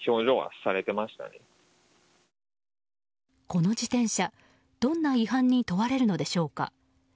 この自転車、どんな違反に問われるのでしょうか。